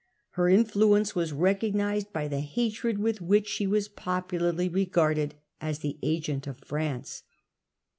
Her influence was recognised by the hatred with which she was popularly regarded as the agent of France.